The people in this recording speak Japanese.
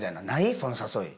その誘い。